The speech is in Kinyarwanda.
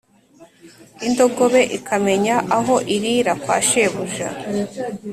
indogobe ikamenya aho irira kwa shebuja,